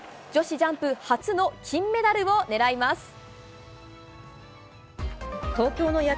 女子ジャンプ初の金メダルを狙います。